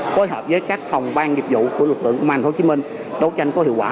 phối hợp với các phòng ban dịch vụ của lực lượng tp hcm đấu tranh có hiệu quả